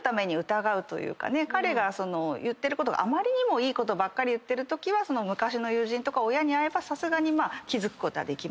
彼があまりにいいことばっかり言ってるときは昔の友人とか親に会えばさすがに気付くことはできます。